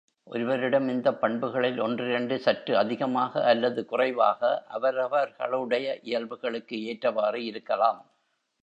ஒருவரிடம் இந்தப் பண்புகளில் ஒன்றிரண்டு சற்று அதிகமாக அல்லது குறைவாக அவரவர்களுடைய இயல்புகளுக்கு ஏற்றவாறு இருக்கலாம்.